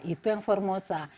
itu yang formosa